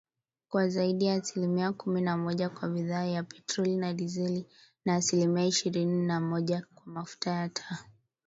Kwa zaidi ya asilimia kumi na moja kwa bidhaa ya petroli na dizeli, na asilimia ishirini na moja kwa mafuta ya taa.